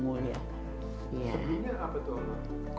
gui nya apa tuh